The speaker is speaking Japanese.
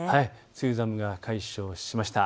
梅雨寒が解消しました。